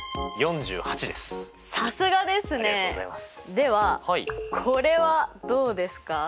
ではこれはどうですか？